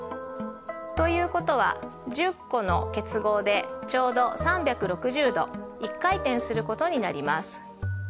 ということは１０個の結合でちょうど３６０度１回転することになります。